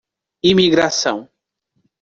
Imigração